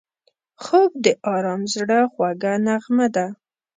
خوب د آرام زړه خوږه نغمه ده